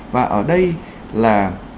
và ở đây là